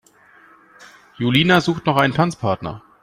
Julina sucht noch einen Tanzpartner.